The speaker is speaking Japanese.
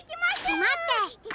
まって！